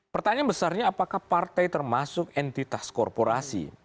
pertanyaan besarnya apakah partai termasuk entitas korporasi